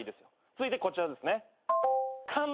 続いてこちらですね。